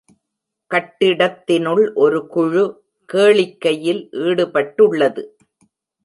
கட்டிடத்தினுள் ஒரு குழு கேளிக்கையில் ஈடுபட்டுள்ளது.